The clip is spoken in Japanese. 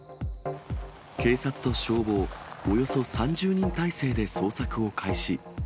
警察と消防、およそ３０人態勢で捜索を開始。